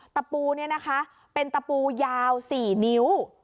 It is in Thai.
ตะปูนี่นะคะเป็นตะปูยาว๔นิ้ว